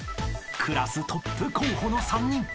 ［クラストップ候補の３人］